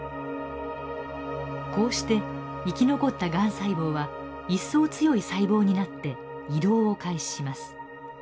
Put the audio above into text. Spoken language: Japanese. こうして生き残ったがん細胞は一層強い細胞になって移動を開始します。